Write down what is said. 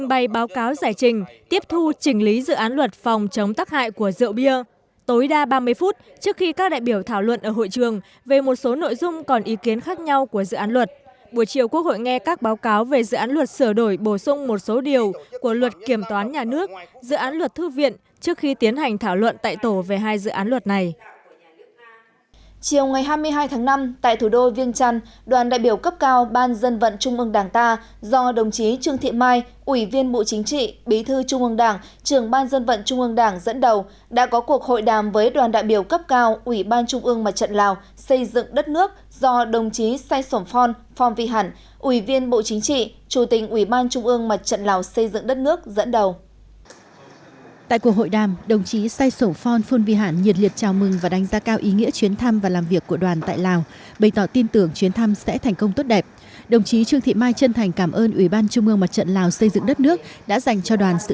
đồng chí trương thị mai ủy viên bộ chính trị bí thư trung ương đảng trường ban dân vận trung ương đảng dẫn đầu đã có cuộc hội đàm với đoàn đại biểu cấp cao ủy ban trung ương mặt trận lào xây dựng đất nước do đồng chí sai sổ phon phong vy hẳn ủy viên bộ chính trị chủ tịch ủy ban trung ương mặt trận lào xây dựng đất nước dẫn đầu